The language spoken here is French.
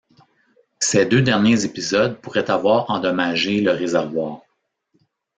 Ces deux derniers épisodes pourraient avoir endommagé le réservoir.